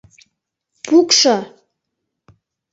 Пукшо!